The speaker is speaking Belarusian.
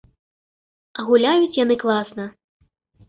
А гуляюць яны класна.